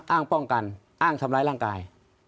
อ้างป้องกันอ้างทำร้ายร่างกาย